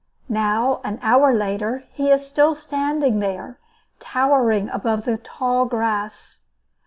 Now, an hour afterward, he is still standing there, towering above the tall grass.